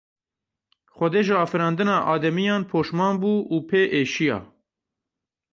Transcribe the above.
Xwedê ji afirandina ademiyan poşman bû û pê êşiya.